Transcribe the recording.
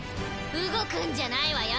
動くんじゃないわよ！